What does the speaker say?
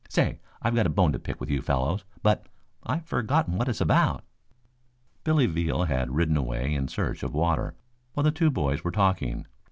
Say, I've got a bone to pick with you fellows, but I've forgotten what it's about." Billy Veal had ridden away in search of water while the two boys were talking.